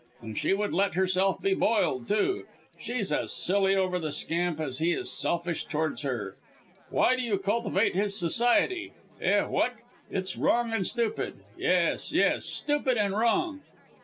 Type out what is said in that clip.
And she would let herself be boiled, too; she's as silly over the scamp as he is selfish towards her. Why do you cultivate his society? Eh, what? It's wrong and stupid; yes, yes, stupid and wrong."